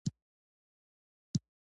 په دنده کې جدیت او صداقت کتل کیږي.